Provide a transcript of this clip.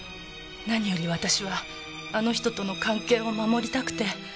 何より私はあの人との関係を守りたくて。